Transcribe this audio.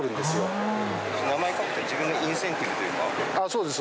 そうです。